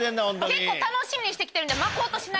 結構楽しみにして来てるんで。